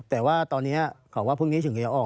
แต่ว่าตอนนี้เขาว่าพรุ่งนี้ถึงจะออก